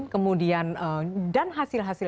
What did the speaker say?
kemudian dan hasil hasil